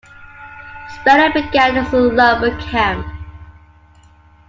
Spenard began as a lumber camp.